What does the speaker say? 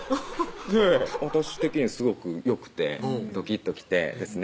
私的にはすごくよくてドキッときてですね